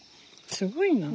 すごいな。